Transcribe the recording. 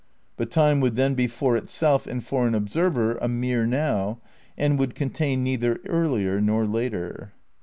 But Time would then be for itself and for an observer a mere now, and would contain neither earlier nor later."